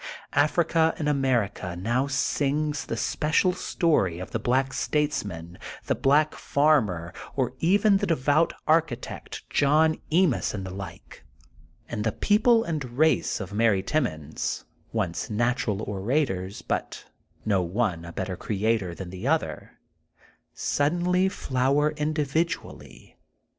Africa in America now sings the spe cial story of the black statesman, the black farmer, or even the devout architect John Ends and the like. And the people and race of Mary Timmons, once natural orators, but no one a better creator than another, sud 88 THE GOLDEN BOOK OF SPRINGFIELD denly flower individually.